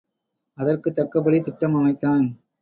அதற்குத் தக்கபடி திட்டம் அமைத்தான்.